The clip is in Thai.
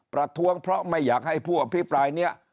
ประท้วงเพราะไม่อยากให้ผู้อภิปรายนี้